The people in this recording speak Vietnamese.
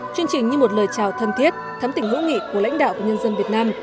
chương trình như một lời chào thân thiết thắm tỉnh hữu nghị của lãnh đạo và nhân dân việt nam